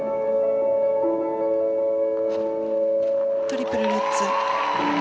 トリプルルッツ。